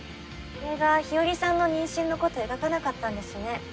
映画日和さんの妊娠のこと描かなかったんですね。